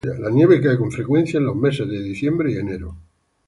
La nieve cae con frecuencia en los meses de diciembre y enero.